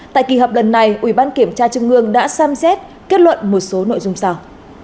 tại kỳ họp lần này ủy ban kiểm tra trung ương đã xem xét kết luận một số nội dung sau